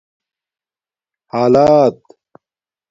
حالات